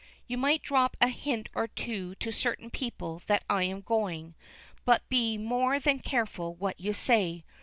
You might drop a hint or two to certain people that I am going, but be more than careful what you say.